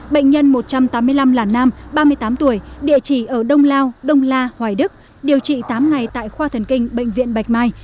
bệnh nhân một trăm tám mươi năm là nam ba mươi tám tuổi địa chỉ ở đông lao đông la hoài đức điều trị tám ngày tại khoa thần kinh bệnh viện bạch mai